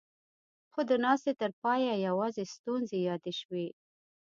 خو د ناستې تر پايه يواځې ستونزې يادې شوې.